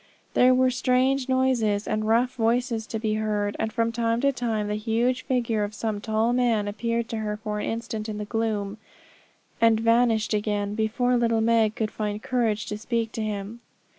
There were strange noises and rough voices to be heard, and from time to time the huge figure of some tall man appeared to her for an instant in the gloom, and vanished again before little Meg could find courage to speak to him.